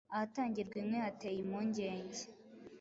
ahatangirwa inkwi hateye impungenge